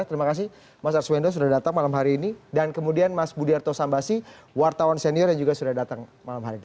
terima kasih mas arswendo sudah datang malam hari ini dan kemudian mas budiarto sambasi wartawan senior yang juga sudah datang malam hari ini